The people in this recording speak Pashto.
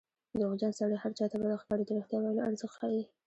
دروغجن سړی هر چا ته بد ښکاري د رښتیا ویلو ارزښت ښيي